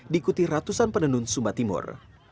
diikuti ratusan penenun sumba timur